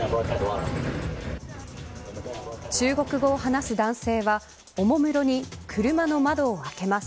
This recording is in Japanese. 中国語を話す男性はおもむろに車の窓を開けます。